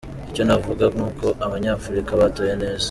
Icyo navuga ni uko Abanyafurika batoye neza.